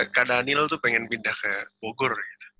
kak daniel tuh pengen pindah ke bogor